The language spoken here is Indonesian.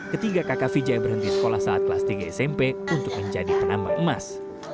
ketiga kakak vijay berhenti sekolah saat kelas tiga smp untuk menjadi penambang emas